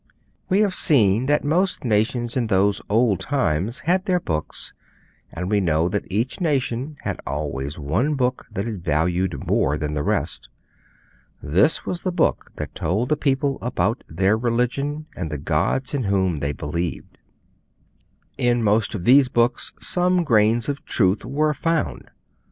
We have seen that most nations in those old times had their books, and we know that each nation had always one book that it valued more than the rest. This was the book that told the people about their religion, and the gods in whom they believed. In most of these books some grains of truth were found.